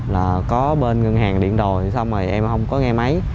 là có bên ngân hàng điện đồi xong rồi em không có nghe máy